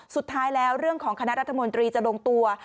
สุดท้ายแล้วเรื่องของคณะรัฐมนตรีจะลงตัว